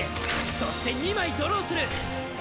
そして２枚ドローする！